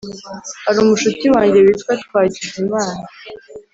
Harumushuti wanjye witwa twagize imana